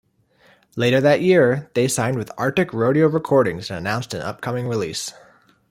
Later that year, they signed with Arctic Rodeo Recordings and announced an upcoming release.